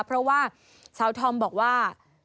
เพราะว่าโซทมบอกว่า